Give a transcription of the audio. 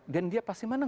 dan dia pasti mana